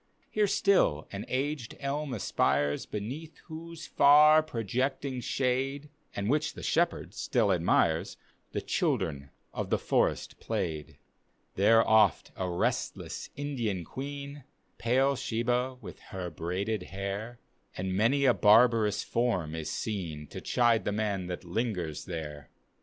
Here still an aged dm a^ires, Beneath whose far projecting shade, (And which the shepherd stiU admires,) The children of the forest played. There oft a restless Indian queen, (Pale Shebah with her braided hair,) And many a barbarous form is seen To chide the man that lingers there.